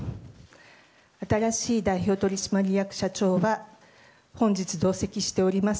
新しい代表取締役社長は本日同席しております